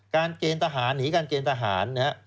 การเกณฑ์ทหารหนีการเกณฑ์ทหาร